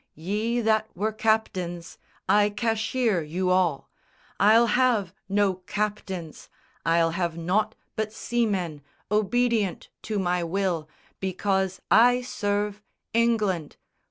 Ye that were captains, I cashier you all. I'll have no captains; I'll have nought but seamen, Obedient to my will, because I serve England.